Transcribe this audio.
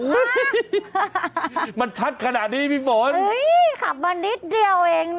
มันชัดขนาดนี้พี่ฝนอุ้ยขับมานิดเดียวเองนะ